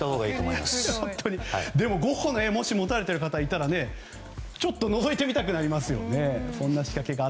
でもゴッホの絵をもし持たれている方がいたらちょっとのぞいてみたくなりますよね。